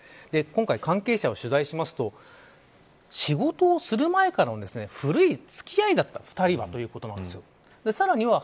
今回、関係者を取材しますと仕事をする前からの古い付き合いだった２人ということなんです。